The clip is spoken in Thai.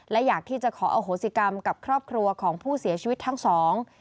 และอยากที่จะขออโหสิกรรมกับครอบครัวของผู้เสียชีวิตทั้งสอง